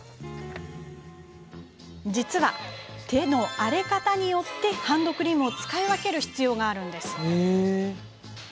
実は、手の荒れ方によってハンドクリームを使い分ける必要があるんです。